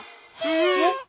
えっ！？